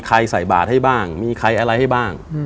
ใส่บาทให้บ้างมีใครอะไรให้บ้าง